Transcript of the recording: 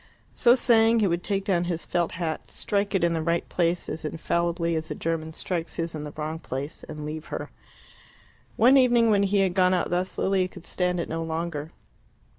So saying, he would take down his felt hat, strike it in the right place as infallibly as a German strikes his in the wrong place, and leave her. One evening, when he had gone out thus, Lilia could stand it no longer.